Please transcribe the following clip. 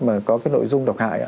mà có cái nội dung độc hại